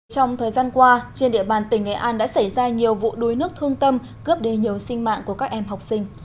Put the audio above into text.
trong thời gian qua trên địa bàn tỉnh nghệ an đã xảy ra nhiều vụ đuối nước thương tâm cướp đề nhiều sinh mạng của các em học sinh